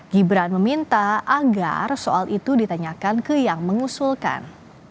gibran meminta agar soal itu ditanyakan ke yang mengusulkan